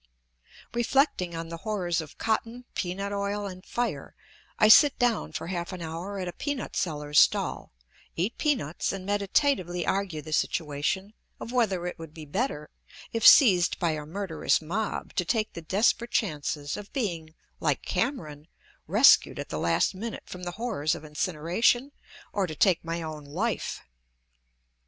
Reflecting on the horrors of cotton, peanut oil, and fire, I sit down for half an hour at a peanut seller's stall, eat peanuts, and meditatively argue the situation of whether it would be better, if seized by a murderous mob, to take the desperate chances of being, like Cameron, rescued at the last minute from the horrors of incineration, or to take my own life.